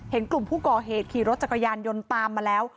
เห็นกลุ่มผู้ก่อเหตุขี่รถจักรยานยนต์ตามมาแล้ว